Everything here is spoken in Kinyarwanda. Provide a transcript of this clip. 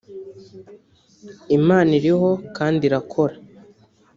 Imana iriho kandi irakora